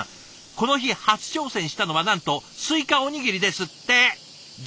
この日初挑戦したのはなんとスイカおにぎりですって斬新！